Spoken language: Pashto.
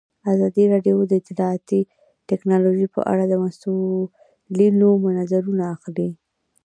ازادي راډیو د اطلاعاتی تکنالوژي په اړه د مسؤلینو نظرونه اخیستي.